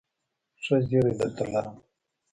ښه زېری درته لرم ..